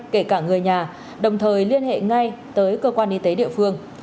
kể cả người nhà đồng thời liên hệ ngay tới cơ quan y tế địa phương